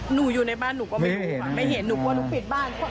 อยู่ในบ้านหนูก็ไม่รู้ค่ะไม่เห็นหนูกลัวหนูปิดบ้าน